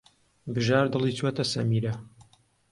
بژار دڵی چووەتە سەمیرە.